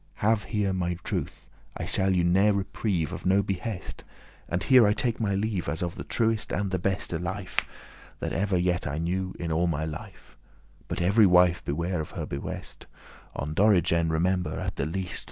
Have here my truth, I shall you ne'er repreve* *reproach *Of no behest;* and here I take my leave, *of no (breach of) As of the truest and the beste wife promise* That ever yet I knew in all my life. But every wife beware of her behest; On Dorigen remember at the least.